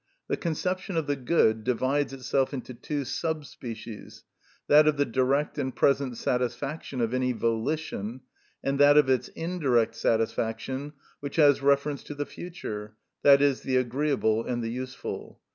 The conception of the good divides itself into two sub species—that of the direct and present satisfaction of any volition, and that of its indirect satisfaction which has reference to the future, i.e., the agreeable and the useful.